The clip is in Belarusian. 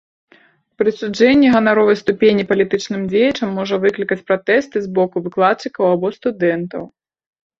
Прысуджэнне ганаровай ступені палітычным дзеячам можа выклікаць пратэсты з боку выкладчыкаў або студэнтаў.